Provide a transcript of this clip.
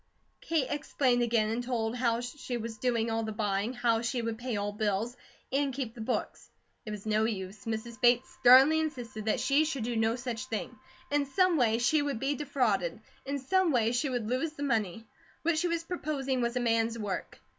Kate explained again and told how she was doing all the buying, how she would pay all bills, and keep the books. It was no use. Mrs. Bates sternly insisted that she should do no such thing. In some way she would be defrauded. In some way she would lose the money. What she was proposing was a man's work.